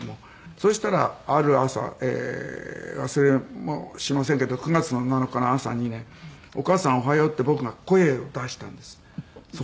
そしたらある朝忘れもしませんけど９月７日の朝にね「お母さんおはよう」って僕が声を出したんです。